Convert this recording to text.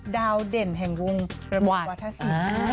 ดาวเด่นแห่งวงระบวัตถสิน